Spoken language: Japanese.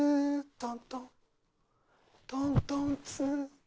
トン・トン・トン・トン・ツー。